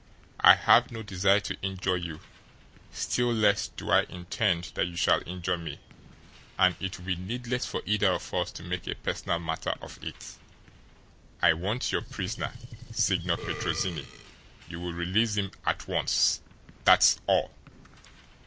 I have no desire to injure you, still less do I intend that you shall injure me; and it would be needless for either of us to make a personal matter of it. I want your prisoner, Signor Petrozinni you will release him at once! That's all!"